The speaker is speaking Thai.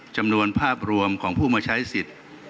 จำนวนภาพรวมของผู้มาใช้สิทธิ์